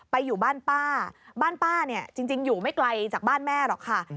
อยู่บ้านป้าบ้านป้าเนี่ยจริงอยู่ไม่ไกลจากบ้านแม่หรอกค่ะ